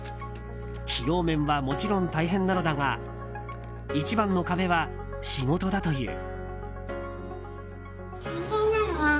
費用面はもちろん大変なのだが一番の壁は仕事だという。